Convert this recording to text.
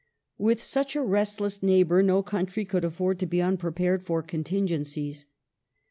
With such a restless neighbour no country could afford to be unprepared for contingencies.